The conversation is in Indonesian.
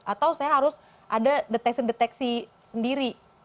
atau saya harus ada deteksi deteksi sendiri